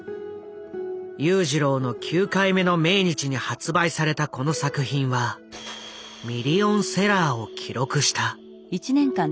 裕次郎の９回目の命日に発売されたこの作品はミリオンセラーを記録した。